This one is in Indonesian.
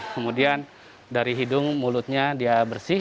kemudian dari hidung mulutnya dia bersih